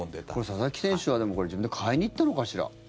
佐々木選手は、これ自分で買いに行ったのかしら。